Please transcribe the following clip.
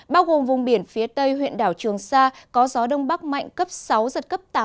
bao gồm vùng biển phía tây huyện đảo trường sa có gió đông bắc mạnh cấp sáu giật cấp tám